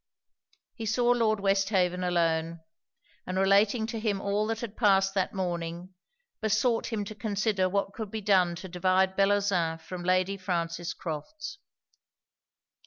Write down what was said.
He saw Lord Westhaven alone; and relating to him all that had passed that morning, besought him to consider what could be done to divide Bellozane from Lady Frances Crofts.